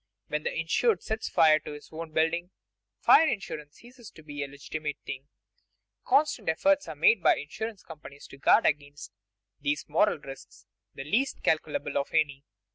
When the insured sets fire to his own buildings, fire insurance ceases to be a legitimate thing. Constant efforts are made by insurance companies to guard against these "moral risks," the least calculable of any.